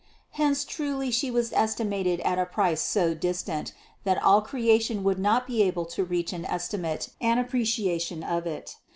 Hence truly She was estimated at a price so distant, that all creation would not be able to reach an estimate and appreciation of it.